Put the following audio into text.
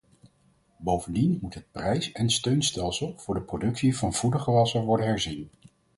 Bovendien moet het prijs- en steunstelsel voor de productie van voedergewassen worden herzien.